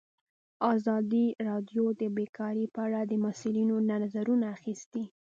ازادي راډیو د بیکاري په اړه د مسؤلینو نظرونه اخیستي.